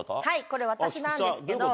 これ私なんですけど。